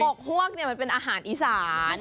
กฮวกเนี่ยมันเป็นอาหารอีสาน